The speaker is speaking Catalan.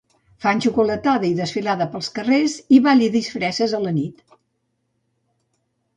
Fan xocolatada i desfilada pels carrers i ball de disfresses a la nit.